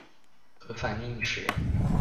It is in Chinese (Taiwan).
核反應時